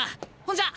ほんじゃ！